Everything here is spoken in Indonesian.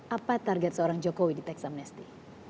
apa target seorang jokowi di teks amnesty